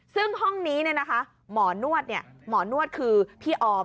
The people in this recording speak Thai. ซึ่งห้องนี้หมอนวดหมอนวดคือพี่ออม